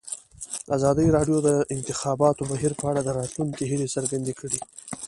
ازادي راډیو د د انتخاباتو بهیر په اړه د راتلونکي هیلې څرګندې کړې.